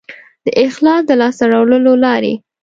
د اخلاص د لاسته راوړلو لارې